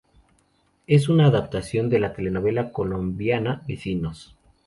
Es una adaptación de la telenovela colombiana Vecinos.